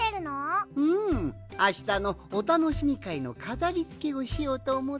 あしたのおたのしみかいのかざりつけをしようとおもってのう。